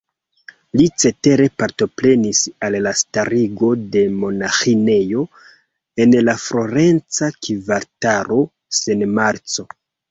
Li cetere partoprenis al la starigo de monaĥinejo en la florenca kvartalo San Marco.